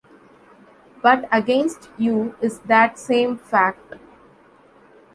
But against you is that same fact.